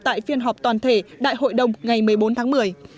tại phiên họp toàn thể đại hội đồng ngày một mươi bốn tháng một mươi